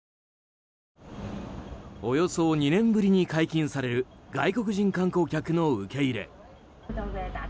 およそ２年ぶりに解禁される外国人観光客の受け入れ。